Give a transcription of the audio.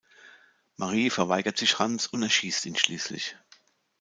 Marie verweigert sich Hans und erschießt ihn schließlich.